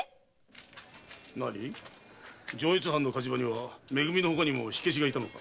なに上越藩の火事場にはめ組の他にも火消しがいたのか。